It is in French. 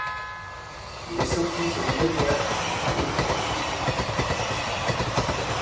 Il est sorti le sur Nettwerk Records.